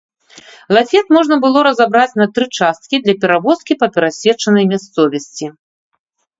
Лафет можна было разабраць на тры часткі для перавозкі па перасечанай мясцовасці.